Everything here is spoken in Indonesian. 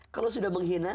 kalau sudah menghina